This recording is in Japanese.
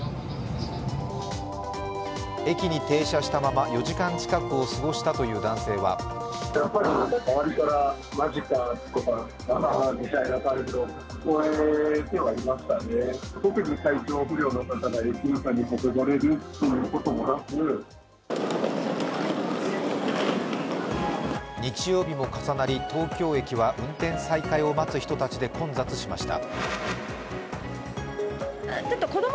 駅に停車したまま４時間近くを過ごしたという男性は日曜日も重なり、東京駅は運転再開を待つ人たちで混雑しました。